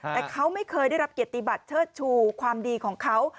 แต่เขาไม่เคยได้รับเกียรติบัติเชิดชูความดีของเขา